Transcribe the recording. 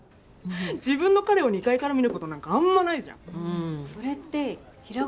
自分の彼を２階から見ることなんかあんまないじゃん。